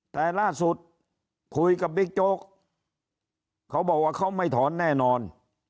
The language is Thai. แต่ล่าสุดคุยกับบิ๊กโจ๊กเขาบอกว่าเขาไม่ถอนแน่นอน